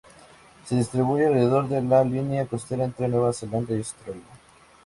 Se distribuye alrededor de la línea costera entre Nueva Zelanda y Australia.